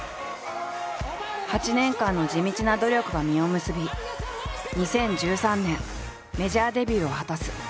８年間の地道な努力が実を結び２０１３年メジャーデビューを果たす。